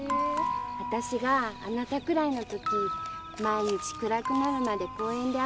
あたしがあなたくらいのとき毎日暗くなるまで公園で遊んでたのよ。